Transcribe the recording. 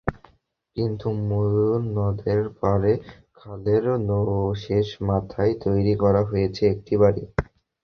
কিন্তু ময়ূর নদের পাড়ে খালের শেষ মাথায় তৈরি করা হয়েছে একটি বাড়ি।